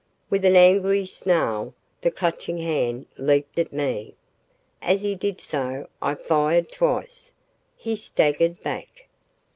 With an angry snarl, the Clutching Hand leaped at me. As he did so, I fired twice. He staggered back. ......